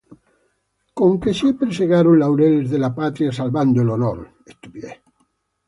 con que siempre segaron laureles de la patria salvando el honor.